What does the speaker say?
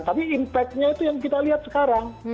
tapi impact nya itu yang kita lihat sekarang